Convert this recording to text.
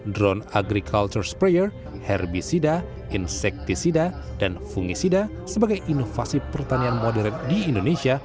drone agriculture sprayer herbicida insektisida dan fungisida sebagai inovasi pertanian moderat di indonesia